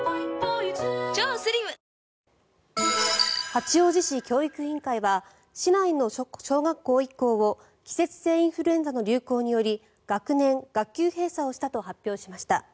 八王子市教育委員会は市内の小学校１校を季節性インフルエンザの流行により学年・学級閉鎖をしたと発表しました。